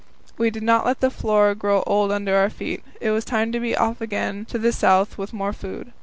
We did not let the floor grow old under our feet; it was time to be off again to the south with more food.